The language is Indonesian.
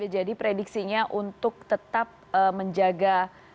jadi prediksinya untuk tetap menjaga